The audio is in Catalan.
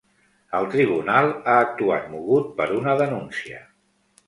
El Tribunal ha actuat mogut per una denúncia